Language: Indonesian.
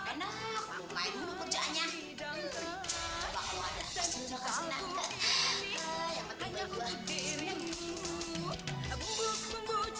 ini makanan untuk laki gua untuk buah buah makanya di kebun